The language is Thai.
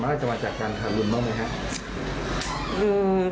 อาจจะมาจากการทารุนมากมั้ยครับ